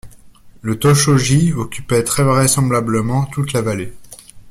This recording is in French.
Le Tōshō-ji occupait très vraisemblablement toute la vallée.